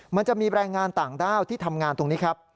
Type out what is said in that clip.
มันจะมีแรงงานต่างด้าวที่ทำงานตรงนี้ครับ